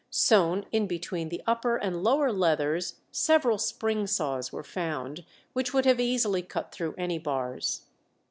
Sewn in between the upper and lower leathers several spring saws were found, which would have easily cut through any bars.